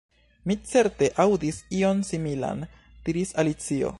"Mi certe aŭdis ion similan," diris Alicio.